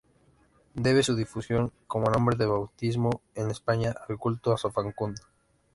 Debe su difusión como nombre de bautismo en España al culto a San Facundo.